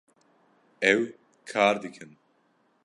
Ew kar dikin